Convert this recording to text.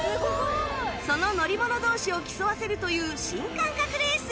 その乗り物同士を競わせるという新感覚レース！